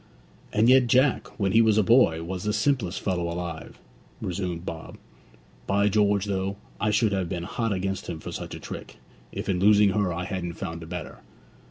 'And yet Jack, when he was a boy, was the simplest fellow alive,' resumed Bob. 'By George, though, I should have been hot against him for such a trick, if in losing her I hadn't found a better!